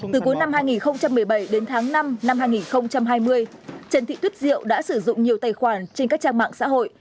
từ cuối năm hai nghìn một mươi bảy đến tháng năm năm hai nghìn hai mươi trần thị tuyết diệu đã sử dụng nhiều tài khoản trên các trang mạng xã hội